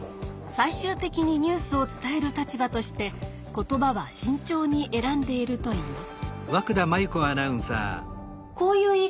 最終的にニュースを伝える立場として言葉はしんちょうに選んでいるといいます。